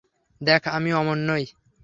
দেখ আমি অমন নই।